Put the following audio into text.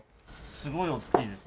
すごい大きいです。